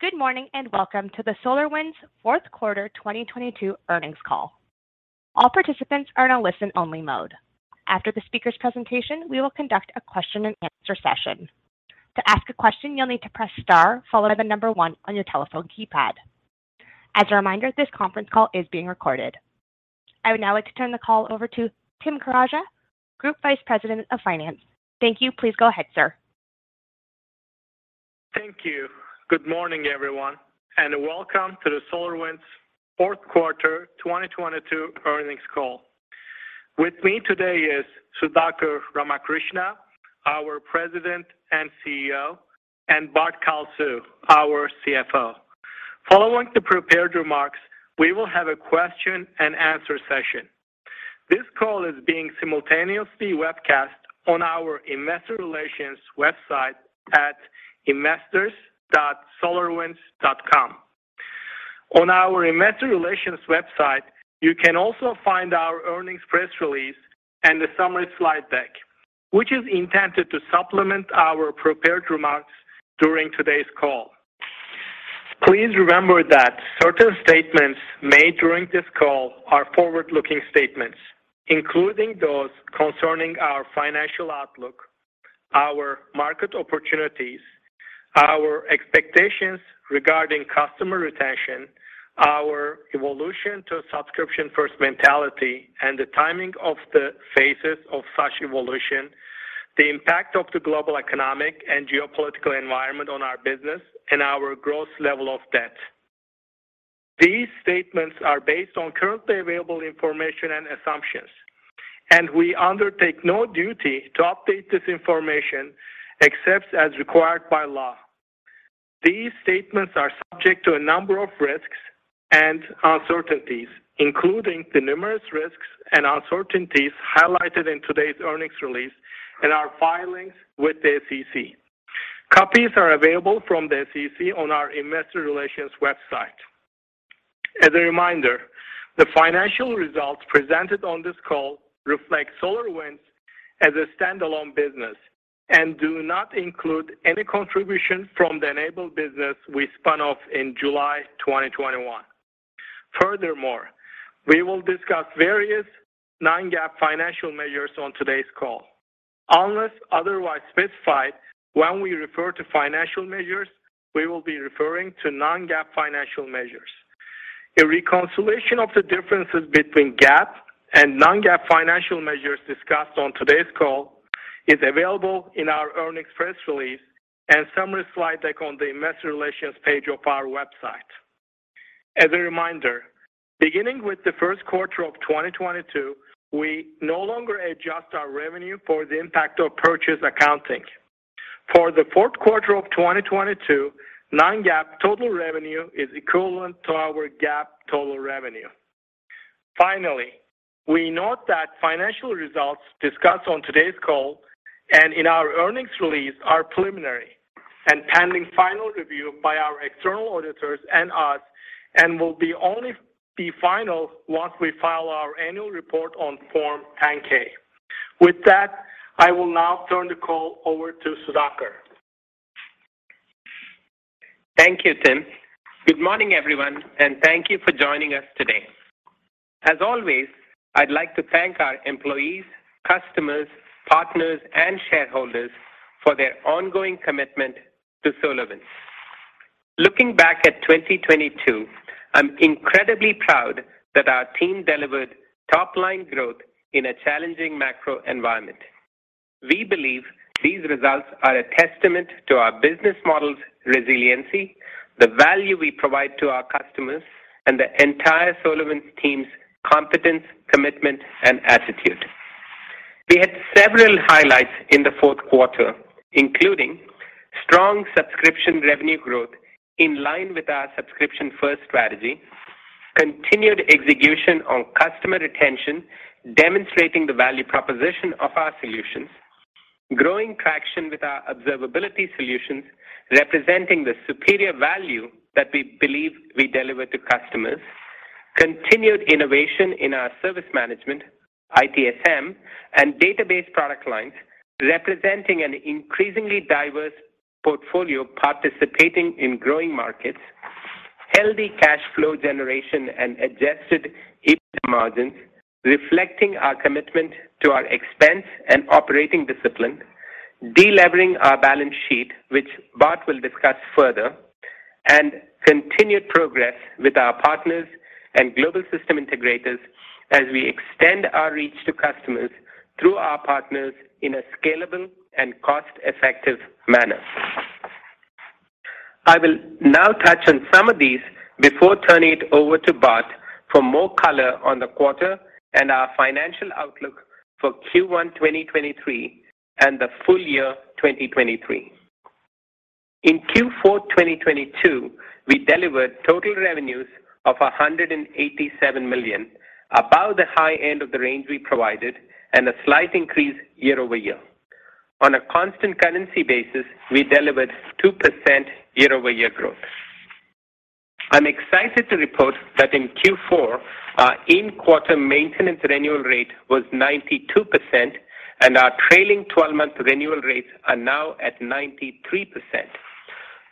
Good morning, welcome to the SolarWinds fourth quarter 2022 earnings call. All participants are in a listen-only mode. After the speaker's presentation, we will conduct a question-and-answer session. To ask a question, you'll need to press star followed by one on your telephone keypad. As a reminder, this conference call is being recorded. I would now like to turn the call over to Tim Karaca, Group Vice President of Finance. Thank you. Please go ahead, sir. Thank you. Good morning, everyone, and welcome to the SolarWinds fourth quarter 2022 earnings call. With me today is Sudhakar Ramakrishna, our President and CEO, and Bart Kalsu, our CFO. Following the prepared remarks, we will have a question-and-answer session. This call is being simultaneously webcast on our investor relations website at investors.solarwinds.com. On our investor relations website, you can also find our earnings press release and the summary slide deck, which is intended to supplement our prepared remarks during today's call. Please remember that certain statements made during this call are forward-looking statements, including those concerning our financial outlook, our market opportunities, our expectations regarding customer retention, our evolution to a subscription-first mentality, and the timing of the phases of such evolution, the impact of the global economic and geopolitical environment on our business, and our gross level of debt. These statements are based on currently available information and assumptions, and we undertake no duty to update this information except as required by law. These statements are subject to a number of risks and uncertainties, including the numerous risks and uncertainties highlighted in today's earnings release and our filings with the SEC. Copies are available from the SEC on our investor relations website. As a reminder, the financial results presented on this call reflect SolarWinds as a standalone business and do not include any contribution from the N-able business we spun off in July 2021. Furthermore, we will discuss various non-GAAP financial measures on today's call. Unless otherwise specified, when we refer to financial measures, we will be referring to non-GAAP financial measures. A reconciliation of the differences between GAAP and non-GAAP financial measures discussed on today's call is available in our earnings press release and summary slide deck on the investor relations page of our website. As a reminder, beginning with the first quarter of 2022, we no longer adjust our revenue for the impact of purchase accounting. For the fourth quarter of 2022, non-GAAP total revenue is equivalent to our GAAP total revenue. Finally, we note that financial results discussed on today's call and in our earnings release are preliminary and pending final review by our external auditors and us and will only be final once we file our annual report on Form 10-K. With that, I will now turn the call over to Sudhakar. Thank you, Tim. Good morning, everyone. Thank you for joining us today. As always, I'd like to thank our employees, customers, partners, and shareholders for their ongoing commitment to SolarWinds. Looking back at 2022, I'm incredibly proud that our team delivered top-line growth in a challenging macro environment. We believe these results are a testament to our business model's resiliency, the value we provide to our customers, and the entire SolarWinds team's competence, commitment, and attitude. We had several highlights in the fourth quarter, including strong subscription revenue growth in line with our subscription-first strategy, continued execution on customer retention, demonstrating the value proposition of our solutions, growing traction with our observability solutions, representing the superior value that we believe we deliver to customers, continued innovation in our service management, ITSM, and database product lines, representing an increasingly diverse portfolio participating in growing markets, healthy cash flow generation, and adjusted EBITDA margins reflecting our commitment to our expense and operating discipline, delevering our balance sheet, which Bart will discuss further, and continued progress with our partners and global system integrators as we extend our reach to customers through our partners in a scalable and cost-effective manner. I will now touch on some of these before turning it over to Bart for more color on the quarter and our financial outlook for Q1 2023 and the full year 2023. In Q4 2022, we delivered total revenues of $187 million, above the high end of the range we provided, and a slight increase year-over-year. On a constant currency basis, we delivered 2% year-over-year growth. I'm excited to report that in Q4, our in-quarter maintenance renewal rate was 92% and our trailing 12-month renewal rates are now at 93%.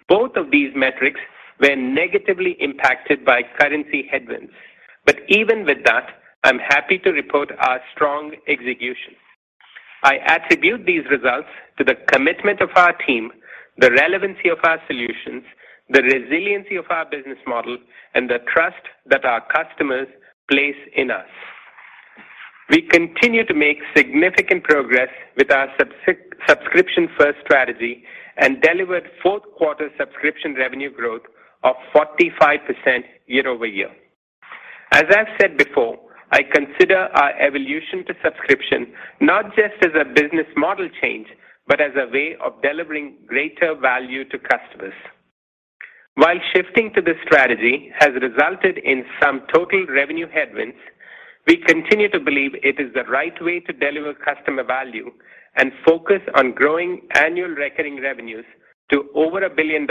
Both of these metrics were negatively impacted by currency headwinds, but even with that, I'm happy to report our strong execution. I attribute these results to the commitment of our team, the relevancy of our solutions, the resiliency of our business model, and the trust that our customers place in us. We continue to make significant progress with our subscription-first strategy and delivered fourth quarter subscription revenue growth of 45% year-over-year. As I've said before, I consider our evolution to subscription not just as a business model change, but as a way of delivering greater value to customers. While shifting to this strategy has resulted in some total revenue headwinds, we continue to believe it is the right way to deliver customer value and focus on growing annual recurring revenues to over $1 billion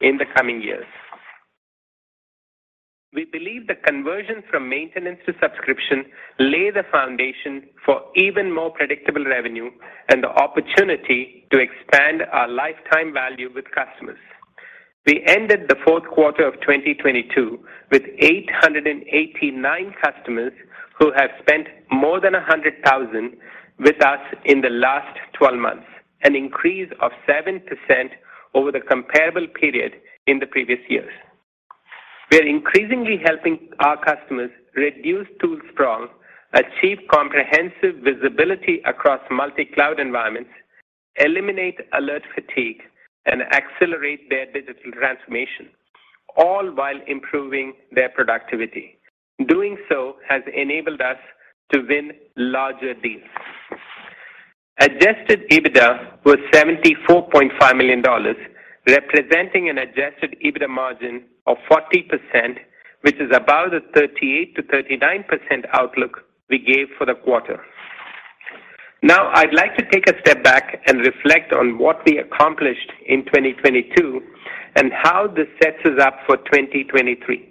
in the coming years. We believe the conversion from maintenance to subscription lay the foundation for even more predictable revenue and the opportunity to expand our lifetime value with customers. We ended the fourth quarter of 2022 with 889 customers who have spent more than $100,000 with us in the last 12 months, an increase of 7% over the comparable period in the previous years. We are increasingly helping our customers reduce tool sprawl, achieve comprehensive visibility across multi-cloud environments, eliminate alert fatigue, and accelerate their digital transformation, all while improving their productivity. Doing so has enabled us to win larger deals. Adjusted EBITDA was $74.5 million, representing an adjusted EBITDA margin of 40%, which is above the 38%-39% outlook we gave for the quarter. Now, I'd like to take a step back and reflect on what we accomplished in 2022 and how this sets us up for 2023.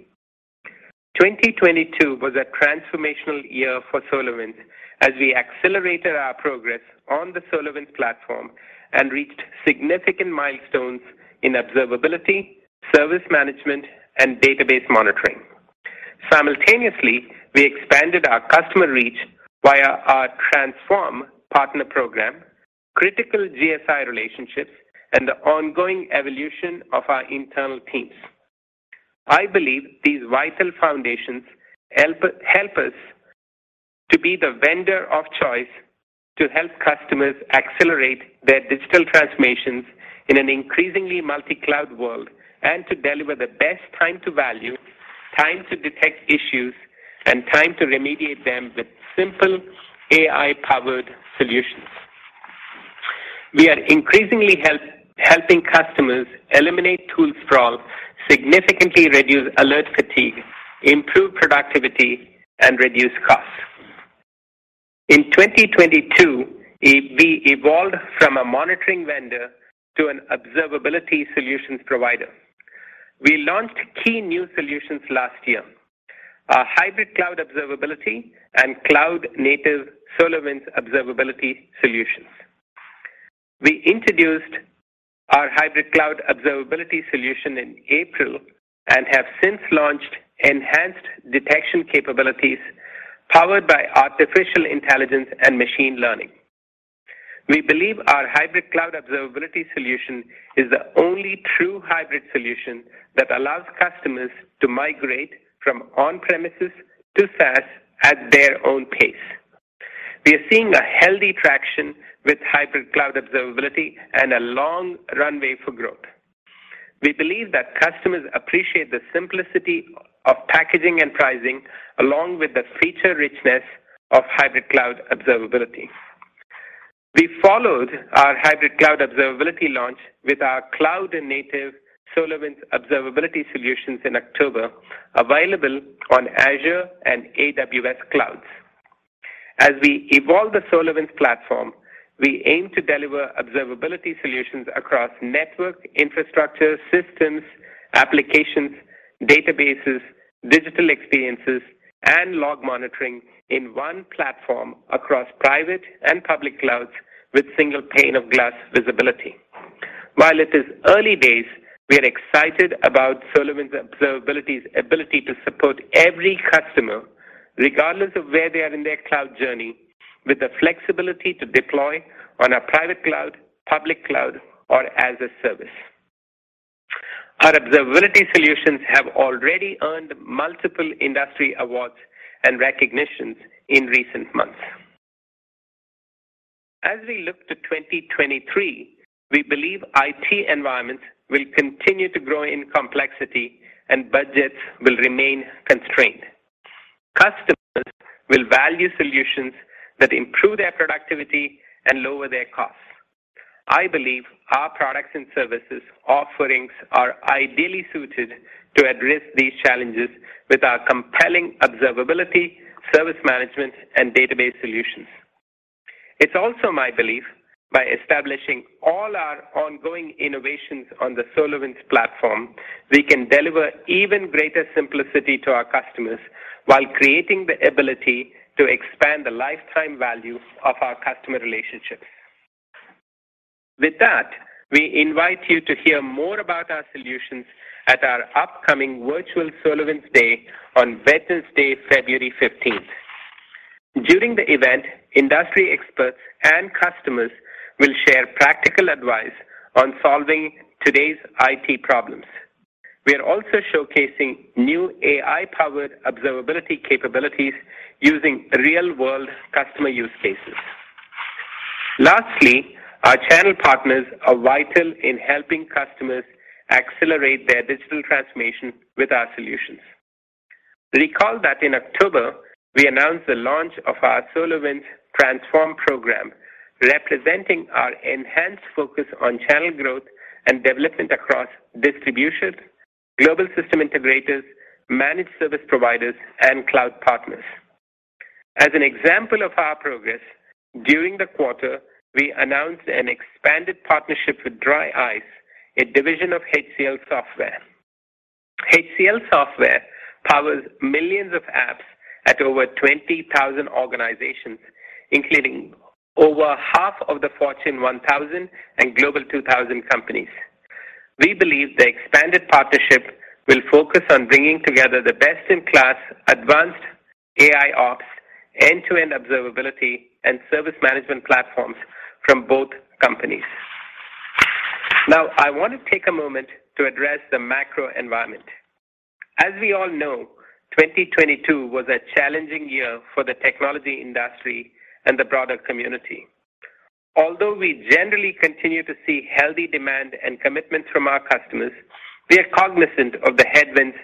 2022 was a transformational year for SolarWinds as we accelerated our progress on the SolarWinds Platform and reached significant milestones in observability, service management, and database monitoring. Simultaneously, we expanded our customer reach via our Transform Partner Program, critical GSI relationships, and the ongoing evolution of our internal teams. I believe these vital foundations help us to be the vendor of choice to help customers accelerate their digital transformations in an increasingly multi-cloud world and to deliver the best time to value, time to detect issues, and time to remediate them with simple AI-powered solutions. We are increasingly helping customers eliminate tool sprawl, significantly reduce alert fatigue, improve productivity, and reduce costs. In 2022, we evolved from a monitoring vendor to an observability solutions provider. We launched key new solutions last year, our Hybrid Cloud Observability and cloud-native SolarWinds Observability solutions. We introduced our Hybrid Cloud Observability solution in April and have since launched enhanced detection capabilities powered by artificial intelligence and machine learning. We believe our Hybrid Cloud Observability solution is the only true hybrid solution that allows customers to migrate from on-premises to SaaS at their own pace. We are seeing a healthy traction with Hybrid Cloud Observability and a long runway for growth. We believe that customers appreciate the simplicity of packaging and pricing, along with the feature richness of Hybrid Cloud Observability. We followed our Hybrid Cloud Observability launch with our cloud and native SolarWinds Observability solutions in October, available on Azure and AWS clouds. As we evolve the SolarWinds Platform, we aim to deliver observability solutions across network infrastructure, systems, applications, databases, digital experiences, and log monitoring in one platform across private and public clouds with single pane of glass visibility. While it is early days, we are excited about SolarWinds Observability's ability to support every customer, regardless of where they are in their cloud journey, with the flexibility to deploy on a private cloud, public cloud, or as a service. Our observability solutions have already earned multiple industry awards and recognitions in recent months. As we look to 2023, we believe IT environments will continue to grow in complexity and budgets will remain constrained. Customers will value solutions that improve their productivity and lower their costs. I believe our products and services offerings are ideally suited to address these challenges with our compelling observability, service management, and database solutions. It's also my belief by establishing all our ongoing innovations on the SolarWinds Platform, we can deliver even greater simplicity to our customers while creating the ability to expand the lifetime value of our customer relationships. We invite you to hear more about our solutions at our upcoming virtual SolarWinds Day on Wednesday, February 15. During the event, industry experts and customers will share practical advice on solving today's IT problems. We are also showcasing new AI-powered observability capabilities using real-world customer use cases. Lastly, our channel partners are vital in helping customers accelerate their digital transformation with our solutions. Recall that in October, we announced the launch of our SolarWinds Transform program, representing our enhanced focus on channel growth and development across distribution, global system integrators, managed service providers, and cloud partners. As an example of our progress, during the quarter, we announced an expanded partnership with DRYiCE, a division of HCLSoftware. HCLSoftware powers millions of apps at over 20,000 organizations, including over half of the Fortune 1000 and Global 2000 companies. We believe the expanded partnership will focus on bringing together the best-in-class advanced AIOps, end-to-end observability, and service management platforms from both companies. I want to take a moment to address the macro environment. As we all know, 2022 was a challenging year for the technology industry and the broader community. Although we generally continue to see healthy demand and commitments from our customers, we are cognizant of the headwinds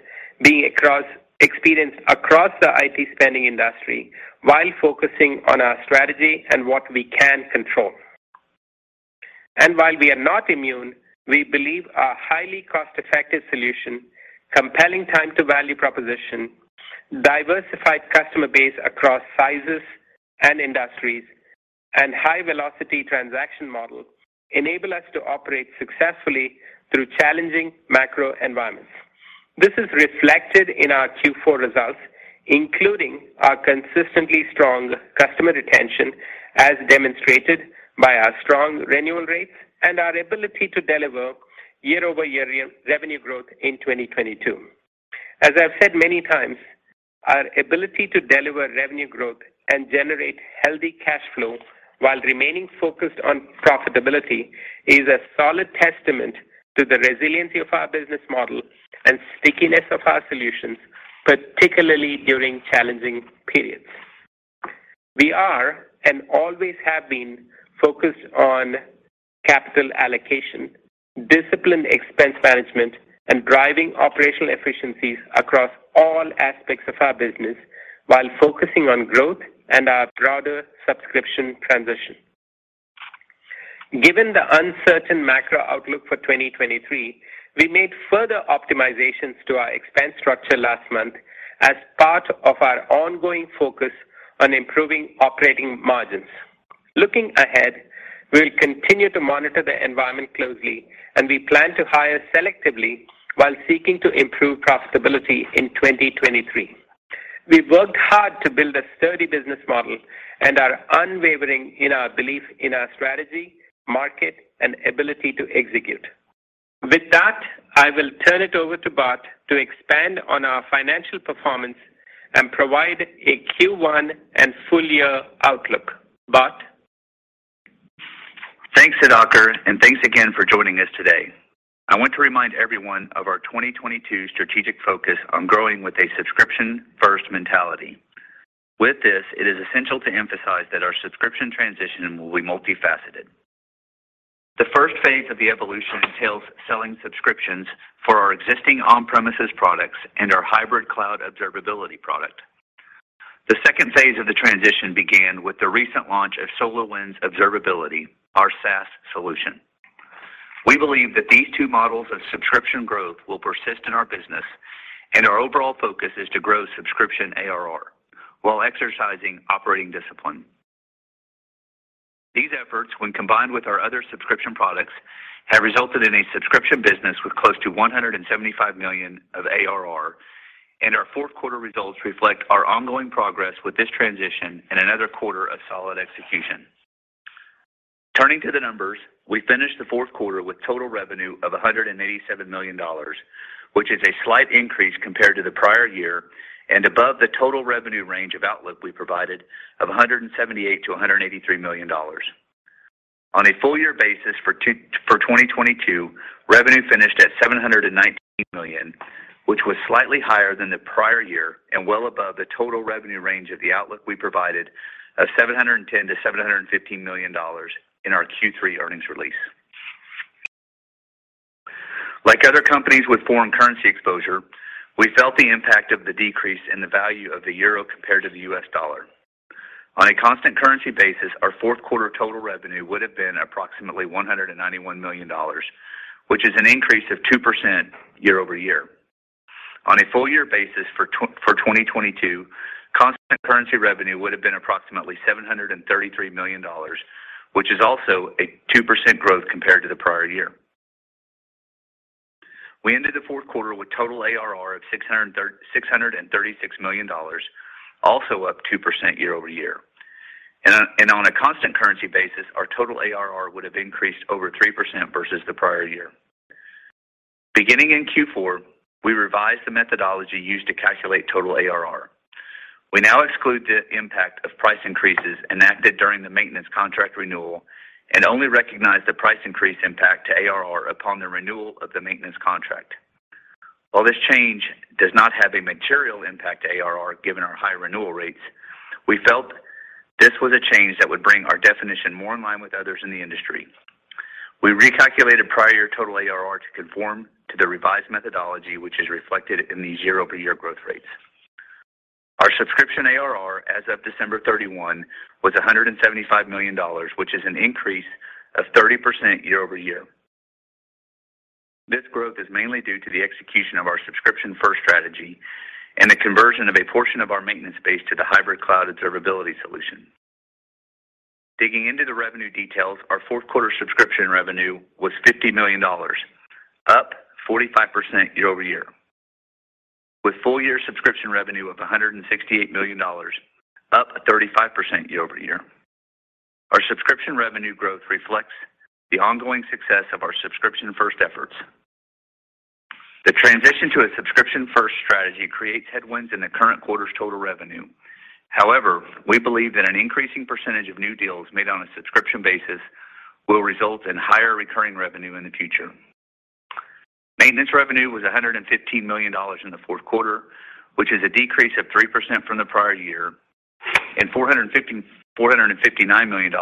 experienced across the IT spending industry while focusing on our strategy and what we can control. While we are not immune, we believe our highly cost-effective solution, compelling time to value proposition, diversified customer base across sizes and industries, and high-velocity transaction model enable us to operate successfully through challenging macro environments. This is reflected in our Q4 results, including our consistently strong customer retention as demonstrated by our strong renewal rates and our ability to deliver year-over-year re-revenue growth in 2022. As I've said many times, our ability to deliver revenue growth and generate healthy cash flow while remaining focused on profitability is a solid testament to the resiliency of our business model and stickiness of our solutions, particularly during challenging periods. We are and always have been focused on capital allocation, disciplined expense management, and driving operational efficiencies across all aspects of our business while focusing on growth and our broader subscription transition. Given the uncertain macro outlook for 2023, we made further optimizations to our expense structure last month as part of our ongoing focus on improving operating margins. Looking ahead, we'll continue to monitor the environment closely, and we plan to hire selectively while seeking to improve profitability in 2023. We've worked hard to build a sturdy business model and are unwavering in our belief in our strategy, market, and ability to execute. With that, I will turn it over to Bart to expand on our financial performance and provide a Q1 and full-year outlook. Bart? Thanks, Sudhakar, and thanks again for joining us today. I want to remind everyone of our 2022 strategic focus on growing with a subscription-first mentality. With this, it is essential to emphasize that our subscription transition will be multifaceted. The first phase of the evolution entails selling subscriptions for our existing on-premises products and our Hybrid Cloud Observability product. The second phase of the transition began with the recent launch of SolarWinds Observability, our SaaS solution. We believe that these two models of subscription growth will persist in our business, and our overall focus is to grow subscription ARR while exercising operating discipline. These efforts, when combined with our other subscription products, have resulted in a subscription business with close to $175 million of ARR, and our fourth quarter results reflect our ongoing progress with this transition and another quarter of solid execution. Turning to the numbers, we finished the fourth quarter with total revenue of $187 million, which is a slight increase compared to the prior year and above the total revenue range of outlook we provided of $178 million-$183 million. On a full year basis for 2022, revenue finished at $719 million, which was slightly higher than the prior year and well above the total revenue range of the outlook we provided of $710 million-$715 million in our Q3 earnings release. Like other companies with foreign currency exposure, we felt the impact of the decrease in the value of the euro compared to the U.S. dollar. On a constant currency basis, our fourth quarter total revenue would have been approximately $191 million, which is an increase of 2% year-over-year. On a full year basis for 2022, constant currency revenue would have been approximately $733 million, which is also a 2% growth compared to the prior year. We ended the fourth quarter with total ARR of $636 million, also up 2% year-over-year. On a constant currency basis, our total ARR would have increased over 3% versus the prior year. Beginning in Q4, we revised the methodology used to calculate total ARR. We now exclude the impact of price increases enacted during the maintenance contract renewal, and only recognize the price increase impact to ARR upon the renewal of the maintenance contract. While this change does not have a material impact to ARR, given our high renewal rates, we felt this was a change that would bring our definition more in line with others in the industry. We recalculated prior total ARR to conform to the revised methodology, which is reflected in these year-over-year growth rates. Our subscription ARR as of December 31 was $175 million, which is an increase of 30% year-over-year. This growth is mainly due to the execution of our subscription first strategy, and the conversion of a portion of our maintenance base to the Hybrid Cloud Observability solution. Digging into the revenue details, our fourth quarter subscription revenue was $50 million, up 45% year-over-year. With full year subscription revenue of $168 million, up 35% year-over-year. Our subscription revenue growth reflects the ongoing success of our subscription-first efforts. The transition to a subscription-first strategy creates headwinds in the current quarter's total revenue. However, we believe that an increasing percentage of new deals made on a subscription basis will result in higher recurring revenue in the future. Maintenance revenue was $115 million in the fourth quarter, which is a decrease of 3% from the prior year, and $459 million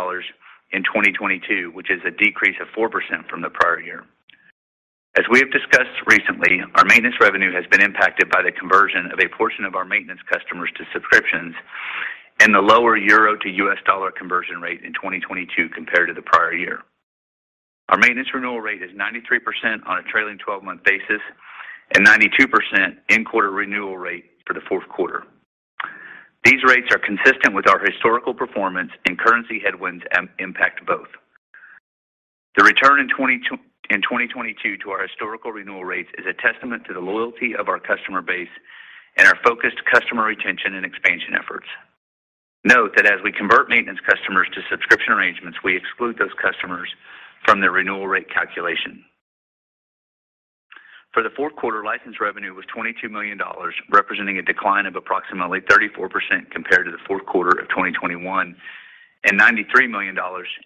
in 2022, which is a decrease of 4% from the prior year. As we have discussed recently, our maintenance revenue has been impacted by the conversion of a portion of our maintenance customers to subscriptions, and the lower euro to U.S. dollar conversion rate in 2022 compared to the prior year. Our maintenance renewal rate is 93% on a trailing 12-month basis, and 92% in quarter renewal rate for the fourth quarter. These rates are consistent with our historical performance, currency headwinds impact both. The return in 2022 to our historical renewal rates is a testament to the loyalty of our customer base, and our focused customer retention and expansion efforts. Note that as we convert maintenance customers to subscription arrangements, we exclude those customers from the renewal rate calculation. For the fourth quarter, license revenue was $22 million, representing a decline of approximately 34% compared to the fourth quarter of 2021, and $93 million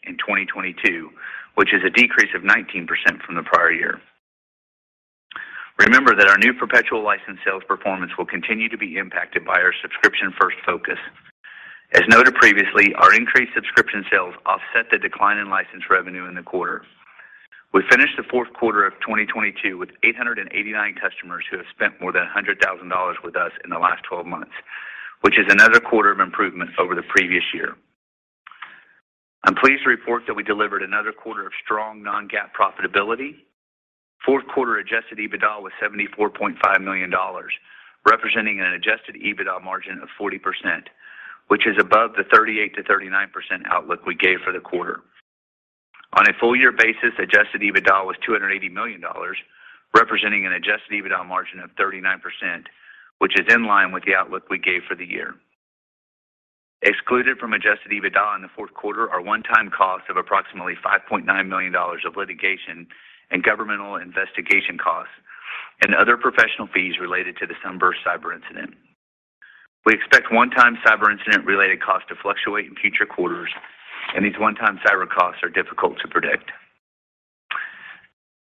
in 2022, which is a decrease of 19% from the prior year. Remember that our new perpetual license sales performance will continue to be impacted by our subscription first focus. As noted previously, our increased subscription sales offset the decline in license revenue in the quarter. We finished the fourth quarter of 2022 with 889 customers who have spent more than $100,000 with us in the last 12 months, which is another quarter of improvement over the previous year. I'm pleased to report that we delivered another quarter of strong non-GAAP profitability. Fourth quarter adjusted EBITDA was $74.5 million, representing an adjusted EBITDA margin of 40%, which is above the 38%-39% outlook we gave for the quarter. On a full year basis, adjusted EBITDA was $280 million, representing an adjusted EBITDA margin of 39%, which is in line with the outlook we gave for the year. Excluded from adjusted EBITDA in the fourth quarter are one-time costs of approximately $5.9 million of litigation and governmental investigation costs, and other professional fees related to the SUNBURST cyber incident. We expect one-time cyber incident-related costs to fluctuate in future quarters, and these one-time cyber costs are difficult to predict.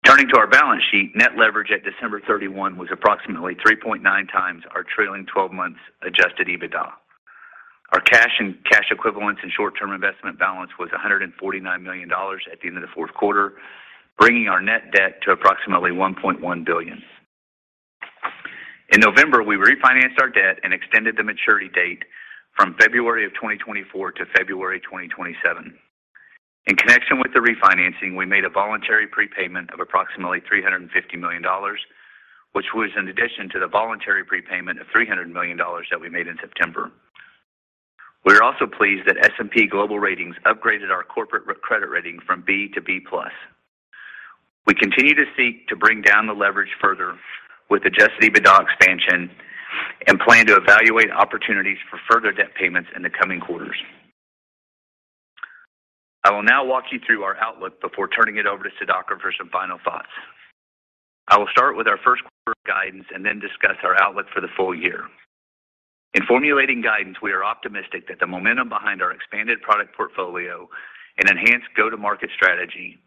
Turning to our balance sheet, net leverage at December 31 was approximately 3.9x our trailing 12 months adjusted EBITDA. Our cash and cash equivalents and short-term investment balance was $149 million at the end of the fourth quarter, bringing our net debt to approximately $1.1 billion. In November, we refinanced our debt and extended the maturity date from February 2024 to February 2027. In connection with the refinancing, we made a voluntary prepayment of approximately $350 million, which was in addition to the voluntary prepayment of $300 million that we made in September. We are also pleased that S&P Global Ratings upgraded our corporate credit rating from B to B+. We continue to seek to bring down the leverage further with adjusted EBITDA expansion, and plan to evaluate opportunities for further debt payments in the coming quarters. I will now walk you through our outlook before turning it over to Sudhakar for some final thoughts. I will start with our first quarter guidance and then discuss our outlook for the full year. In formulating guidance, we are optimistic that the momentum behind our expanded product portfolio and enhanced go-to-market strategy,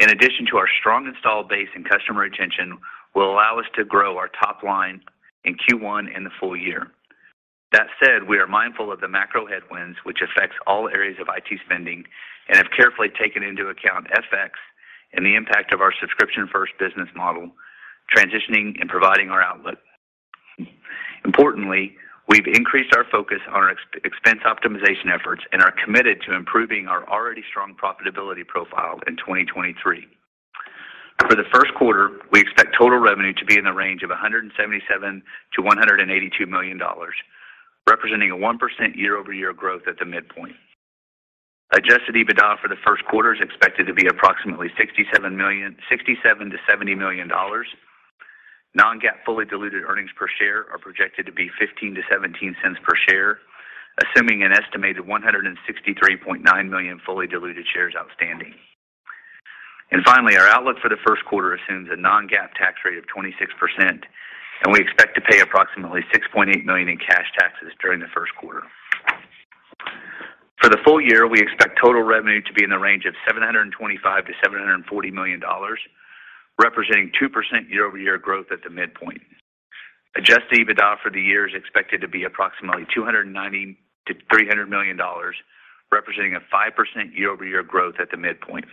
in addition to our strong installed base and customer retention, will allow us to grow our top line in Q1 and the full year. That said, we are mindful of the macro headwinds which affects all areas of IT spending, and have carefully taken into account FX and the impact of our subscription first business model transitioning and providing our outlook. Importantly, we've increased our focus on our ex-expense optimization efforts and are committed to improving our already strong profitability profile in 2023. For the first quarter, we expect total revenue to be in the range of $177 million-$182 million, representing a 1% year-over-year growth at the midpoint. Adjusted EBITDA for the first quarter is expected to be approximately $67 million-$70 million. Non-GAAP fully diluted earnings per share are projected to be $0.15-$0.17 per share, assuming an estimated 163.9 million fully diluted shares outstanding. Finally, our outlook for the first quarter assumes a non-GAAP tax rate of 26%, and we expect to pay approximately $6.8 million in cash taxes during the first quarter. For the full year, we expect total revenue to be in the range of $725 million-$740 million, representing 2% year-over-year growth at the midpoint. Adjusted EBITDA for the year is expected to be approximately $290 million-$300 million, representing a 5% year-over-year growth at the midpoint.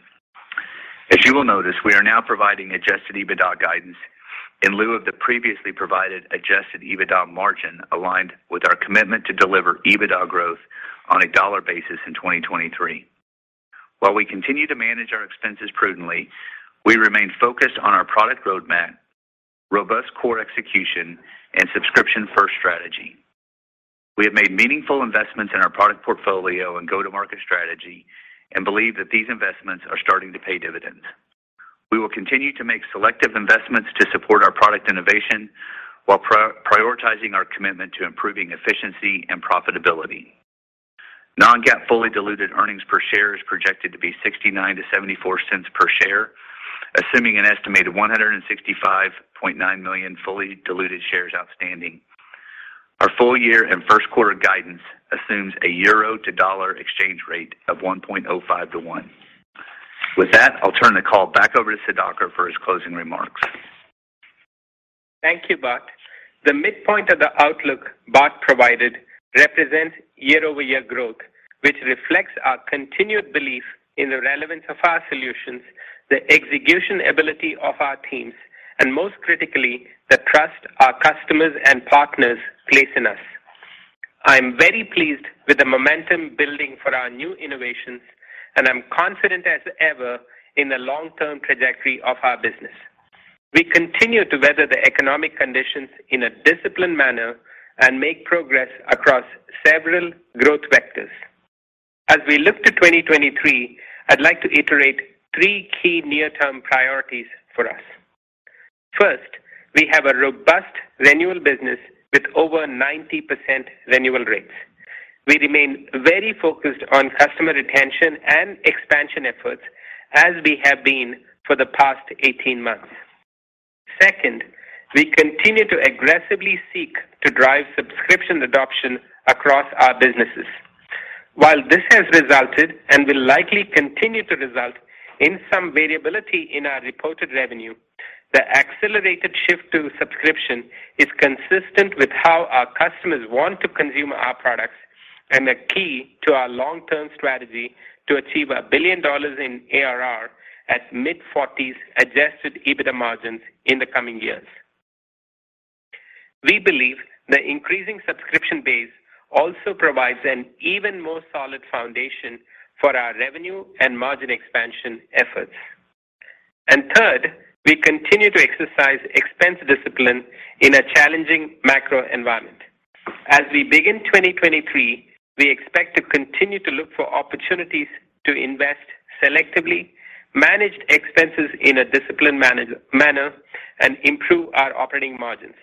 As you will notice, we are now providing adjusted EBITDA guidance in lieu of the previously provided adjusted EBITDA margin, aligned with our commitment to deliver EBITDA growth on a dollar basis in 2023. While we continue to manage our expenses prudently, we remain focused on our product roadmap, robust core execution, and subscription-first strategy. We have made meaningful investments in our product portfolio and go-to-market strategy and believe that these investments are starting to pay dividends. We will continue to make selective investments to support our product innovation while prioritizing our commitment to improving efficiency and profitability. Non-GAAP fully diluted earnings per share is projected to be $0.69-$0.74 per share, assuming an estimated 165.9 million fully diluted shares outstanding. Our full year and first quarter guidance assumes a euro to dollar exchange rate of 1.05 to 1. With that, I'll turn the call back over to Sudhakar for his closing remarks. Thank you, Bart. The midpoint of the outlook Bart provided represents year-over-year growth, which reflects our continued belief in the relevance of our solutions, the execution ability of our teams, and most critically, the trust our customers and partners place in us. I'm very pleased with the momentum building for our new innovations, and I'm confident as ever in the long-term trajectory of our business. We continue to weather the economic conditions in a disciplined manner and make progress across several growth vectors. As we look to 2023, I'd like to iterate three key near-term priorities for us. First, we have a robust renewal business with over 90% renewal rates. We remain very focused on customer retention and expansion efforts as we have been for the past 18 months. Second, we continue to aggressively seek to drive subscription adoption across our businesses. While this has resulted and will likely continue to result in some variability in our reported revenue, the accelerated shift to subscription is consistent with how our customers want to consume our products and the key to our long-term strategy to achieve $1 billion in ARR at mid-40s adjusted EBITDA margins in the coming years. We believe the increasing subscription base also provides an even more solid foundation for our revenue and margin expansion efforts. Third, we continue to exercise expense discipline in a challenging macro environment. As we begin 2023, we expect to continue to look for opportunities to invest selectively, manage expenses in a disciplined manner, and improve our operating margins.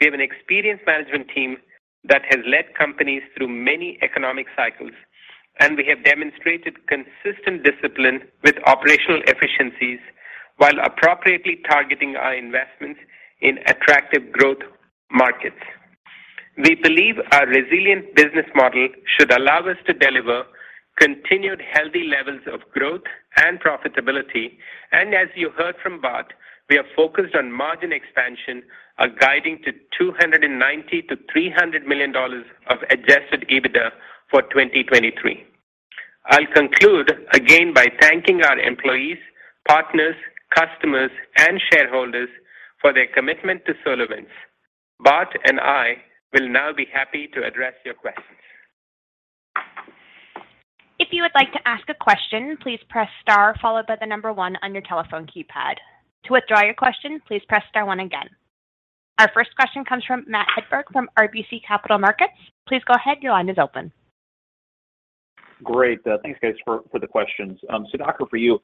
We have an experienced management team that has led companies through many economic cycles, and we have demonstrated consistent discipline with operational efficiencies while appropriately targeting our investments in attractive growth markets. We believe our resilient business model should allow us to deliver continued healthy levels of growth and profitability. As you heard from Bart, we are focused on margin expansion, are guiding to $290 million-$300 million of adjusted EBITDA for 2023. I'll conclude again by thanking our employees, partners, customers, and shareholders for their commitment to SolarWinds. Bart and I will now be happy to address your questions. If you would like to ask a question, please press star followed by the number one on your telephone keypad. To withdraw your question, please press star one again. Our first question comes from Matt Hedberg from RBC Capital Markets. Please go ahead. Your line is open. Great. Thanks guys for the questions. Sudhakar, for you,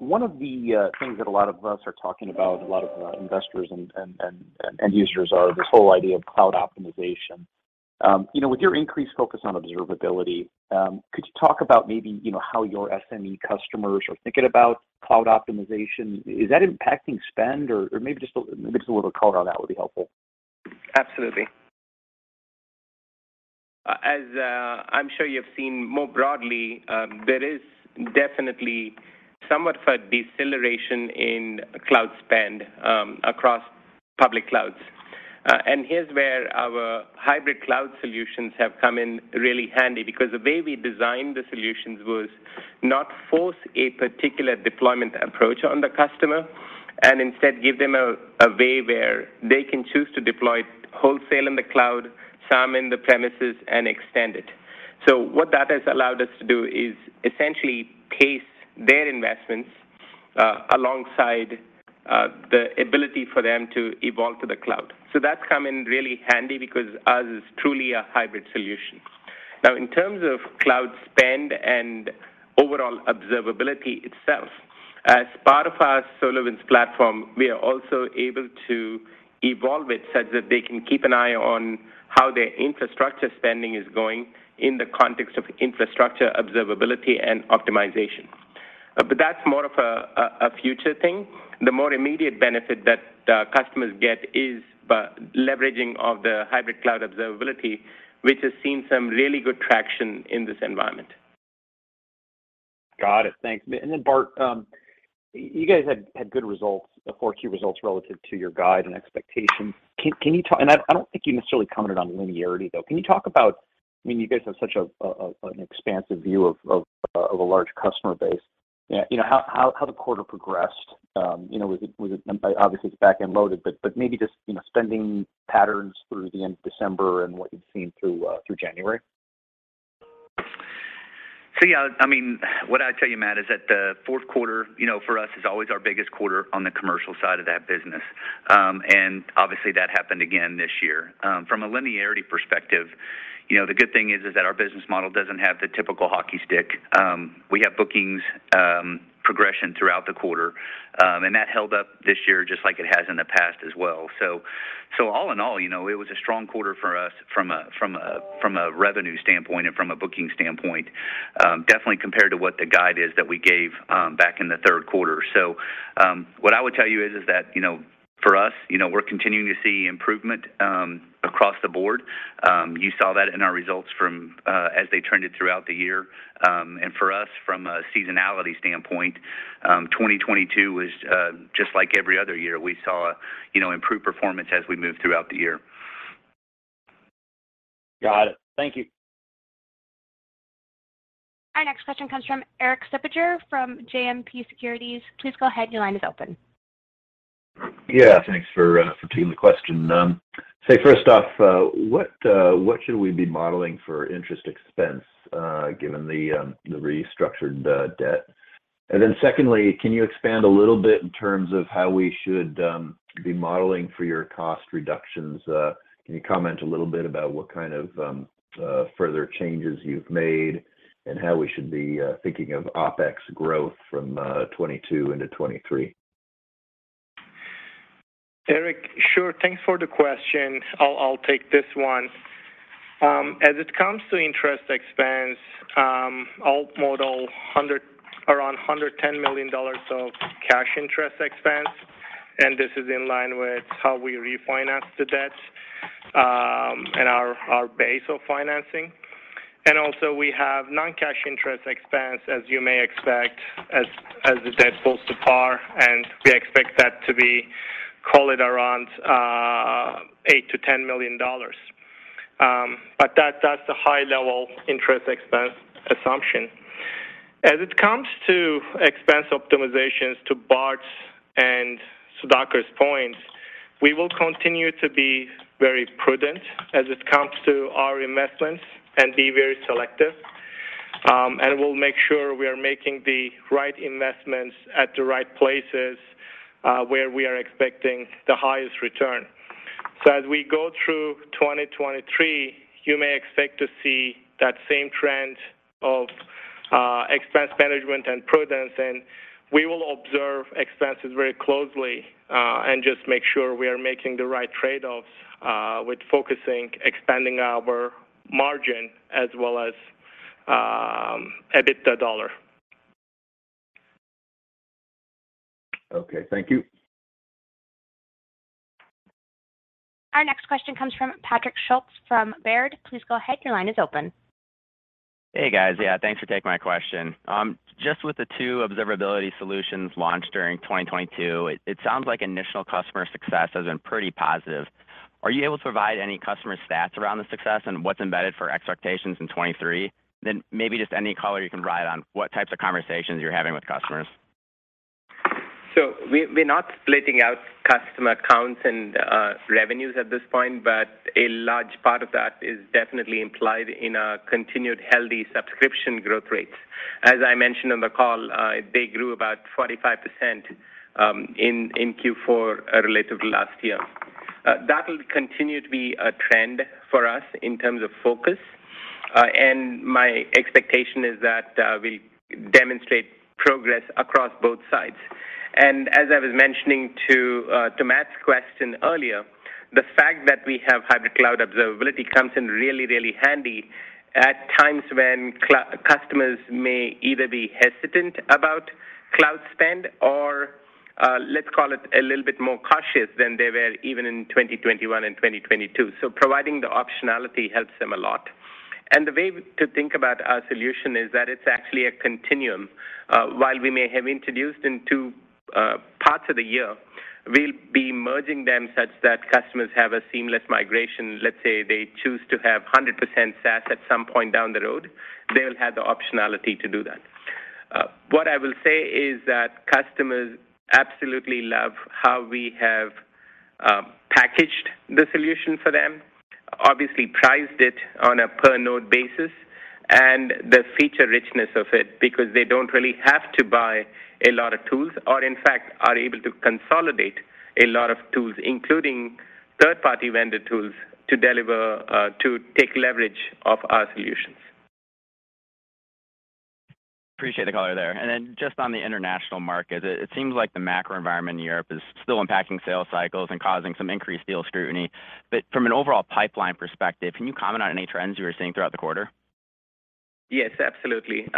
one of the things that a lot of us are talking about, a lot of investors and end users are this whole idea of cloud optimization. You know, with your increased focus on observability, could you talk about maybe, you know, how your SME customers are thinking about cloud optimization? Is that impacting spend? Maybe just a little color on that would be helpful. Absolutely. As I'm sure you've seen more broadly, there is definitely somewhat of a deceleration in cloud spend across public clouds. Here's where our hybrid cloud solutions have come in really handy because the way we designed the solutions was not force a particular deployment approach on the customer, and instead give them a way where they can choose to deploy wholesale in the cloud, some in the premises, and extend it. What that has allowed us to do is essentially pace their investments alongside the ability for them to evolve to the cloud. That's come in really handy because ours is truly a hybrid solution. In terms of cloud spend and overall observability itself, as part of our SolarWinds Platform, we are also able to evolve it such that they can keep an eye on how their infrastructure spending is going in the context of infrastructure observability and optimization. That's more of a future thing. The more immediate benefit that customers get is by leveraging of the Hybrid Cloud Observability, which has seen some really good traction in this environment. Got it. Thanks. Then Bart, you guys had good results, the four key results relative to your guide and expectations. I don't think you necessarily commented on linearity though. Can you talk about, I mean, you guys have such an expansive view of a large customer base? Yeah, you know, how the quarter progressed? You know, was it... Obviously it's back-end loaded, but maybe just, you know, spending patterns through the end of December and what you've seen through January? Yeah, I mean, what I'd tell you, Matt, is that the fourth quarter, you know, for us is always our biggest quarter on the commercial side of that business. Obviously that happened again this year. From a linearity perspective, you know, the good thing is that our business model doesn't have the typical hockey stick. We have bookings, progression throughout the quarter, and that held up this year just like it has in the past as well. All in all, you know, it was a strong quarter for us from a revenue standpoint and from a booking standpoint, definitely compared to what the guide is that we gave back in the third quarter. What I would tell you is that, you know, for us, you know, we're continuing to see improvement, across the board. You saw that in our results from, as they trended throughout the year. For us from a seasonality standpoint, 2022 was, just like every other year. We saw, you know, improved performance as we moved throughout the year. Got it. Thank you. Our next question comes from Erik Suppiger from JMP Securities. Please go ahead, your line is open. Yeah, thanks for taking the question. First off, what should we be modeling for interest expense, given the restructured debt? Secondly, can you expand a little bit in terms of how we should be modeling for your cost reductions? Can you comment a little bit about what kind of further changes you've made and how we should be thinking of OpEx growth from 2022 into 2023? Erik, sure. Thanks for the question. I'll take this one. As it comes to interest expense, I'll model around $110 million of cash interest expense, and this is in line with how we refinance the debt and our base of financing. Also we have non-cash interest expense, as you may expect as the debt falls to par, and we expect that to be, call it around $8 million-$10 million. That's the high level interest expense assumption. As it comes to expense optimizations to Bart's and Sudhakar's points, we will continue to be very prudent as it comes to our investments and be very selective. We'll make sure we are making the right investments at the right places, where we are expecting the highest return. As we go through 2023, you may expect to see that same trend of expense management and prudence, and we will observe expenses very closely, and just make sure we are making the right trade-offs, with focusing, expanding our margin as well as EBITDA dollar. Okay. Thank you. Our next question comes from Patrick Schulz from Baird. Please go ahead, your line is open. Hey, guys. Yeah, thanks for taking my question. Just with the two observability solutions launched during 2022, it sounds like initial customer success has been pretty positive. Are you able to provide any customer stats around the success and what's embedded for expectations in 2023? Maybe just any color you can provide on what types of conversations you're having with customers? We're not splitting out customer counts and revenues at this point, but a large part of that is definitely implied in a continued healthy subscription growth rates. As I mentioned on the call, they grew about 45% in Q4 relative to last year. That will continue to be a trend for us in terms of focus, and my expectation is that we demonstrate progress across both sides. As I was mentioning to Matt's question earlier, the fact that we have Hybrid Cloud Observability comes in really, really handy at times when customers may either be hesitant about cloud spend or, let's call it a little bit more cautious than they were even in 2021 and 2022. Providing the optionality helps them a lot. The way to think about our solution is that it's actually a continuum. While we may have introduced in two parts of the year, we'll be merging them such that customers have a seamless migration. Let's say they choose to have 100% SaaS at some point down the road, they'll have the optionality to do that. What I will say is that customers absolutely love how we have packaged the solution for them, obviously priced it on a per node basis and the feature richness of it because they don't really have to buy a lot of tools or in fact are able to consolidate a lot of tools, including third party vendor tools to deliver to take leverage of our solutions. Appreciate the color there. Just on the international market, it seems like the macro environment in Europe is still impacting sales cycles and causing some increased deal scrutiny. From an overall pipeline perspective, can you comment on any trends you were seeing throughout the quarter? Yes, absolutely.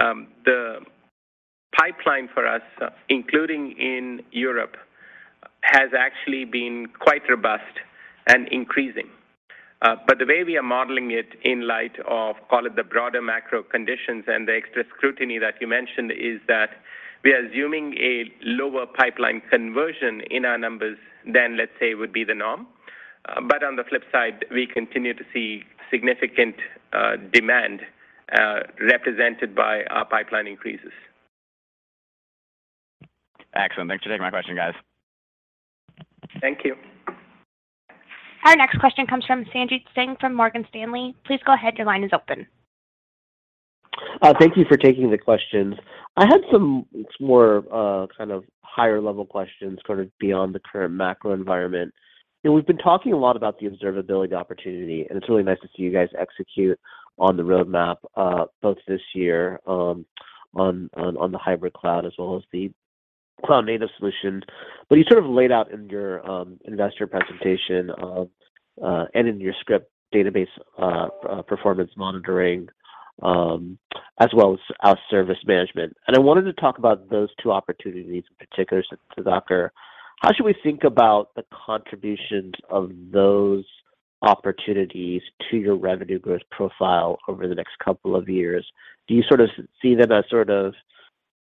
The pipeline for us, including in Europe, has actually been quite robust and increasing. The way we are modeling it in light of, call it the broader macro conditions and the extra scrutiny that you mentioned is that we are assuming a lower pipeline conversion in our numbers than let's say would be the norm. On the flip side, we continue to see significant demand represented by our pipeline increases. Excellent. Thanks for taking my question, guys. Thank you. Our next question comes from Sanjit Singh from Morgan Stanley. Please go ahead. Your line is open. Thank you for taking the questions. I had some more kind of higher level questions sort of beyond the current macro environment. You know, we've been talking a lot about the observability opportunity, and it's really nice to see you guys execute on the roadmap, both this year, on the hybrid cloud as well as the cloud native solutions. You sort of laid out in your investor presentation, and in your script database, performance monitoring, as well as our service management. I wanted to talk about those two opportunities in particular to Sudhakar. How should we think about the contributions of those opportunities to your revenue growth profile over the next couple of years? Do you sort of see them as sort of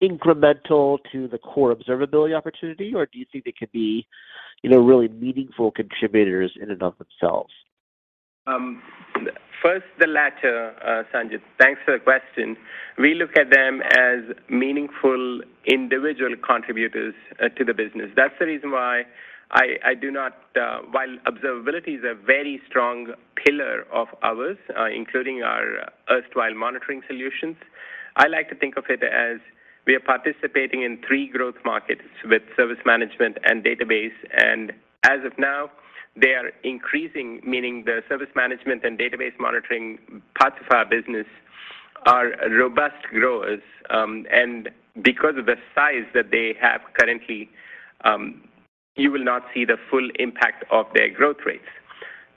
incremental to the core observability opportunity, or do you think they could be, you know, really meaningful contributors in and of themselves? First, the latter, Sanjit. Thanks for the question. We look at them as meaningful individual contributors to the business. That's the reason why I do not, while observability is a very strong pillar of ours, including our erstwhile monitoring solutions, I like to think of it as we are participating in three growth markets with service management and database. As of now, they are increasing, meaning the service management and database monitoring parts of our business are robust growers. Because of the size that they have currently, you will not see the full impact of their growth rates.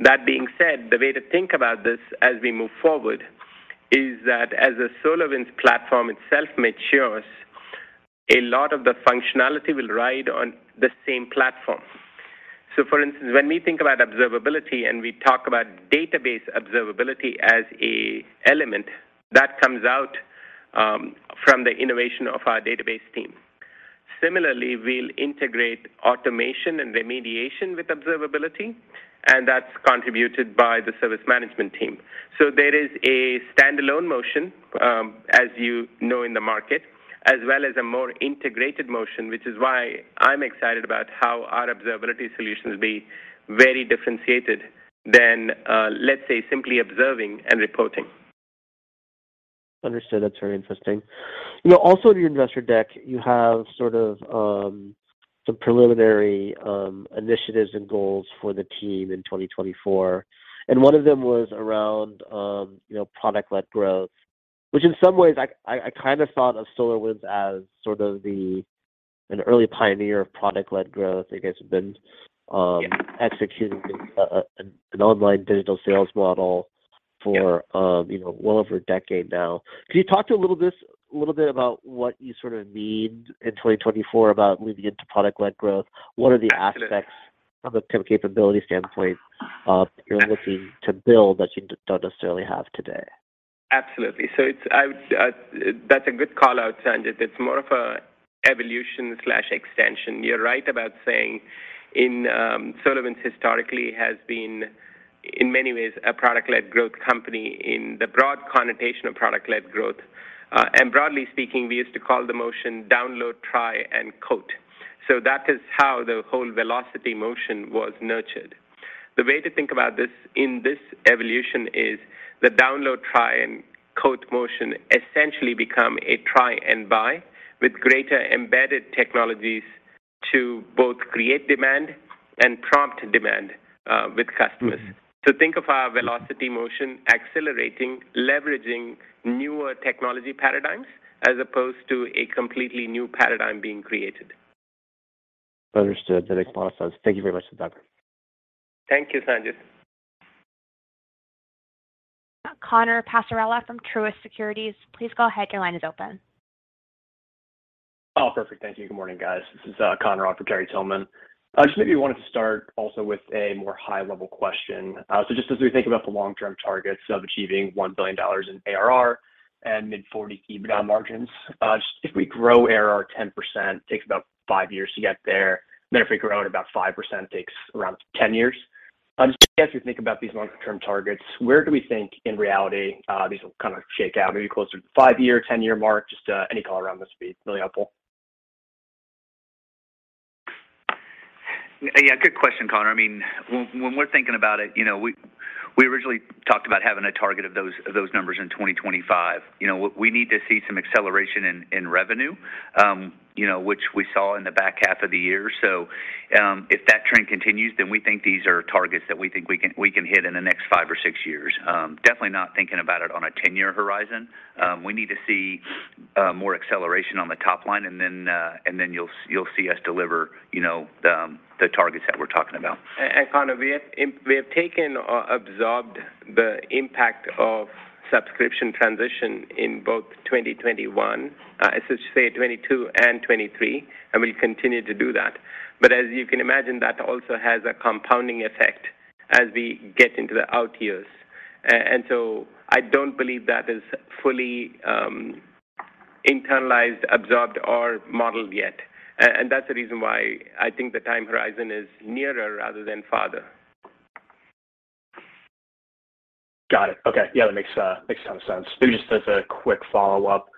That being said, the way to think about this as we move forward is that as the SolarWinds Platform itself matures, a lot of the functionality will ride on the same Platform. For instance, when we think about observability and we talk about database observability as a element that comes out from the innovation of our database team. Similarly, we'll integrate automation and remediation with observability, and that's contributed by the service management team. There is a standalone motion, as you know in the market, as well as a more integrated motion, which is why I'm excited about how our observability solutions be very differentiated than, let's say, simply observing and reporting. Understood. That's very interesting. You know, also in your investor deck, you have sort of, some preliminary, initiatives and goals for the team in 2024. One of them was around, you know, product-led growth, which in some ways I kind of thought of SolarWinds as an early pioneer of product-led growth. You guys have been executing an online digital sales model for- Yeah. You know, well over a decade now. Can you talk to a little bit about what you sort of need in 2024 about moving into product-led growth? Absolutely. What are the aspects from a capability standpoint, you're looking to build that you don't necessarily have today? Absolutely. That's a good call out, Sanjit. It's more of a evolution/extension. You're right about saying in SolarWinds historically has been, in many ways, a product-led growth company in the broad connotation of product-led growth. Broadly speaking, we used to call the motion download, try and quote. That is how the whole velocity motion was nurtured. The way to think about this in this evolution is the download, try and quote motion essentially become a try and buy with greater embedded technologies to both create demand and prompt demand with customers. Think of our velocity motion accelerating, leveraging newer technology paradigms as opposed to a completely new paradigm being created. Understood. That explains a lot of sense. Thank you very much, Sudhakar. Thank you, Sanjit. Connor Passarella from Truist Securities, please go ahead. Your line is open. Perfect. Thank you. Good morning, guys. This is Connor Passarella for Terry Tillman. Just maybe wanted to start also with a more high-level question. Just as we think about the long-term targets of achieving $1 billion in ARR and mid-40% EBITDA margins, if we grow ARR 10%, takes about five years to get there. If we grow at about 5%, takes around 10 years. Just as we think about these long-term targets, where do we think in reality, these will kind of shake out? Maybe closer to five-year, 10-year mark? Any color around this would be really helpful. Yeah, good question, Connor. I mean, when we're thinking about it, you know, we originally talked about having a target of those numbers in 2025. You know, we need to see some acceleration in revenue, you know, which we saw in the back half of the year. If that trend continues, then we think these are targets that we think we can hit in the next five or six years. Definitely not thinking about it on a 10-year horizon. We need to see more acceleration on the top line and then you'll see us deliver, you know, the targets that we're talking about. Connor, we have taken or absorbed the impact of subscription transition in both 2021, I should say 2022 and 2023, and we'll continue to do that. As you can imagine, that also has a compounding effect as we get into the out years. I don't believe that is fully internalized, absorbed, or modeled yet. That's the reason why I think the time horizon is nearer rather than farther. Got it. Okay. Yeah, that makes a ton of sense. Maybe just as a quick follow-up.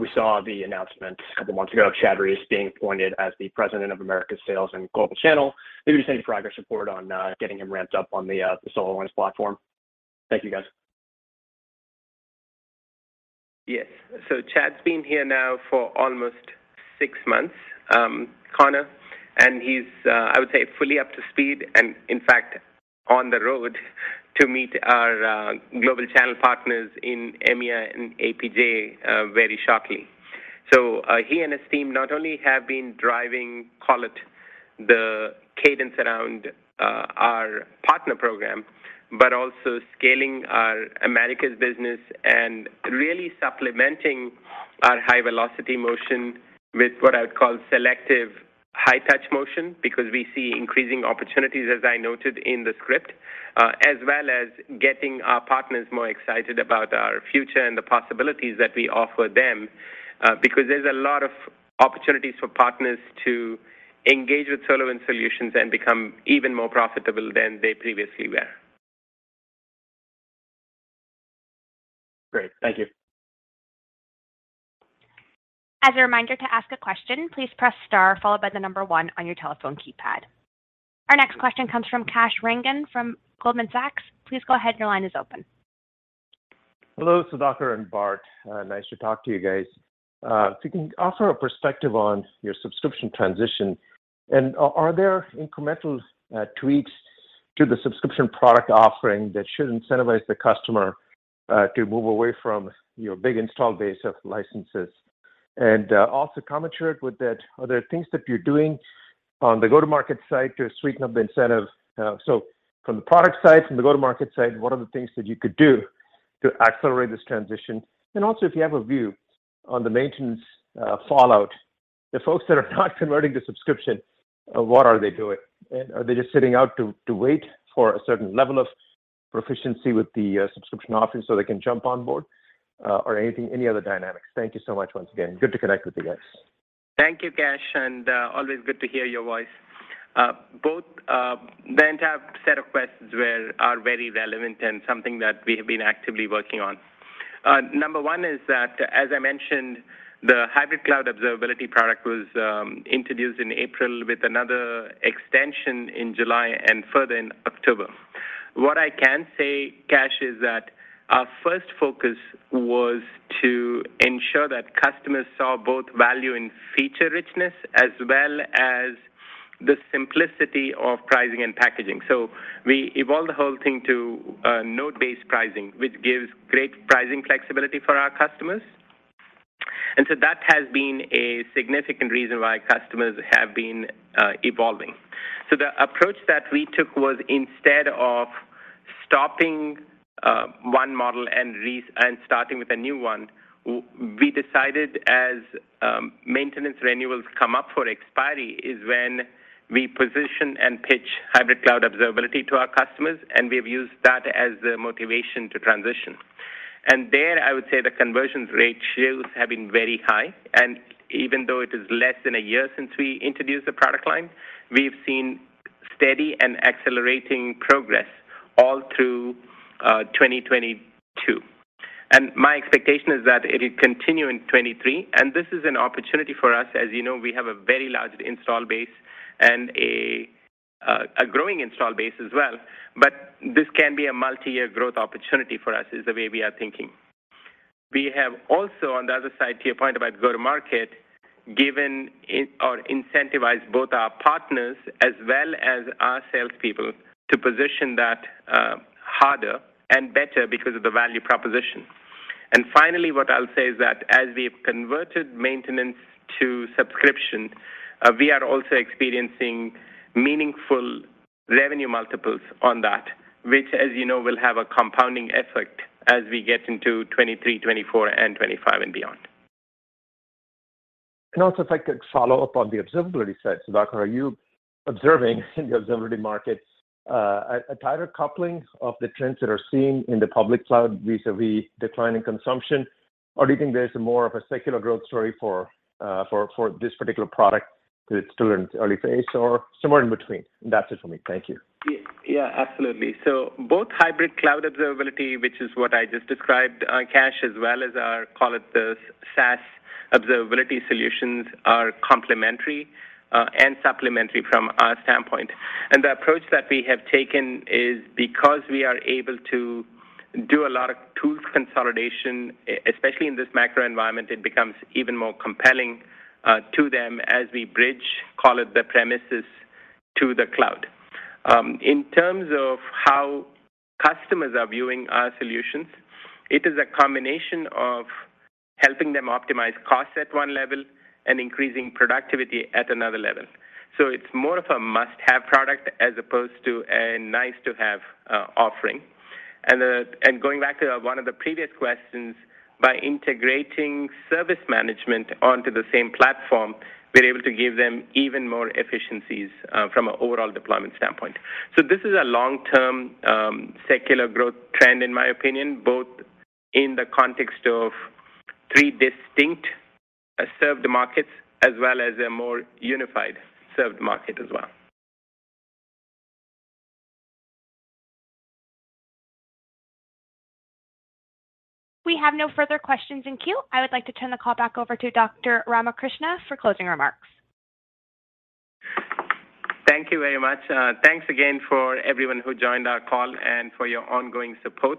We saw the announcement a couple months ago of Chad Reese being appointed as the President of Americas Sales and Global Channel. Maybe just any progress report on getting him ramped up on the SolarWinds Platform? Thank you, guys. Yes. Chad's been here now for almost six months, Connor, and he's, I would say fully up to speed and in fact, on the road to meet our global channel partners in EMEA and APJ, very shortly. He and his team not only have been driving, call it the cadence around our partner program, but also scaling our Americas business and really supplementing our high velocity motion with what I would call selective high touch motion because we see increasing opportunities, as I noted in the script, as well as getting our partners more excited about our future and the possibilities that we offer them, because there's a lot of opportunities for partners to engage with SolarWinds solutions and become even more profitable than they previously were. Great. Thank you. As a reminder to ask a question, please press star followed by the number one on your telephone keypad. Our next question comes from Kash Rangan from Goldman Sachs. Please go ahead. Your line is open. Hello, Sudhakar and Bart. Nice to talk to you guys. If you can offer a perspective on your subscription transition, are there incremental tweaks to the subscription product offering that should incentivize the customer to move away from your big install base of licenses? Also commensurate with that, are there things that you're doing on the go-to-market side to sweeten up the incentive? So from the product side, from the go-to-market side, what are the things that you could do to accelerate this transition? Also if you have a view on the maintenance fallout, the folks that are not converting to subscription, what are they doing? Are they just sitting out to wait for a certain level of proficiency with the subscription offering so they can jump on board, or anything, any other dynamics? Thank you so much once again. Good to connect with you guys. Thank you, Kash, and always good to hear your voice. Both the entire set of questions are very relevant and something that we have been actively working on. Number one is that, as I mentioned, the Hybrid Cloud Observability product was introduced in April with another extension in July and further in October. What I can say, Kash, is that our first focus was to ensure that customers saw both value and feature richness as well as the simplicity of pricing and packaging. We evolved the whole thing to node-based pricing, which gives great pricing flexibility for our customers. That has been a significant reason why customers have been evolving. The approach that we took was instead of stopping one model and starting with a new one, we decided as maintenance renewals come up for expiry is when we position and pitch Hybrid Cloud Observability to our customers, and we've used that as the motivation to transition. There, I would say the conversions ratios have been very high. Even though it is less than a year since we introduced the product line, we've seen steady and accelerating progress all through 2022. My expectation is that it'll continue in 2023. This is an opportunity for us. As you know, we have a very large install base and a growing install base as well. This can be a multi-year growth opportunity for us, is the way we are thinking. We have also, on the other side, to your point about go to market, incentivized both our partners as well as our salespeople to position that harder and better because of the value proposition. Finally, what I'll say is that as we've converted maintenance to subscription, we are also experiencing meaningful revenue multiples on that, which, as you know, will have a compounding effect as we get into 2023, 2024, and 2025 and beyond. Also, if I could follow up on the observability side. Sudhakar, are you observing in the observability markets a tighter coupling of the trends that are seen in the public cloud vis-a-vis declining consumption? Or do you think there's more of a secular growth story for this particular product that it's still in early phase or somewhere in between? That's it for me. Thank you. Yeah, absolutely. Both Hybrid Cloud Observability, which is what I just described, Kash, as well as our, call it the SaaS observability solutions are complementary and supplementary from our standpoint. The approach that we have taken is because we are able to do a lot of tool consolidation, especially in this macro environment, it becomes even more compelling to them as we bridge, call it the premises to the cloud. In terms of how customers are viewing our solutions, it is a combination of helping them optimize costs at one level and increasing productivity at another level. It's more of a must-have product as opposed to a nice-to-have offering. Going back to one of the previous questions, by integrating service management onto the same platform, we're able to give them even more efficiencies from an overall deployment standpoint. This is a long-term, secular growth trend, in my opinion, both in the context of three distinct served markets as well as a more unified served market as well. We have no further questions in queue. I would like to turn the call back over to Dr. Ramakrishna for closing remarks. Thank you very much. Thanks again for everyone who joined our call and for your ongoing support.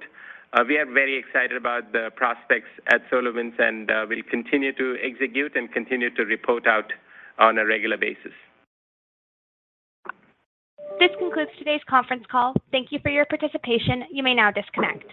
We are very excited about the prospects at SolarWinds, and we'll continue to execute and continue to report out on a regular basis. This concludes today's conference call. Thank you for your participation. You may now disconnect.